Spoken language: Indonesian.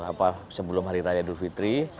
apa sebelum hari raya dufitri